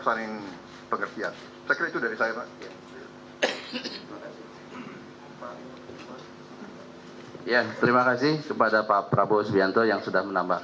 saling bekerja apa saling pengertian saya kira itu dari saya pak